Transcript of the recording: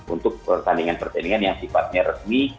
untuk pertandingan pertandingan yang sifatnya resmi